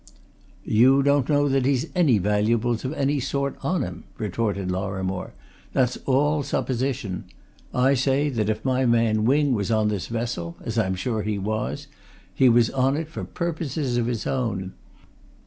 "You don't know that he's any valuables of any sort on him," retorted Lorrimore. "That's all supposition. I say that if my man Wing was on this vessel as I'm sure he was he was on it for purposes of his own.